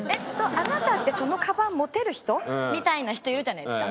あなたってそのカバン持てる人？みたいな人いるじゃないですか。